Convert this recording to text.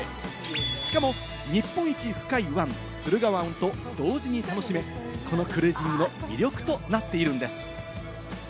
しかも日本一深い湾、駿河湾と同時に楽しめ、このクルージングの魅力となっているんです。